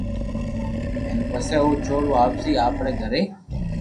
ھين پسي او چور واپسي آپري گھري